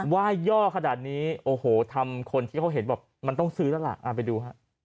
ว่ายย่อขนาดนี้ทำคนที่เขาเห็นมันต้องซื้อแล้วล่ะไปดู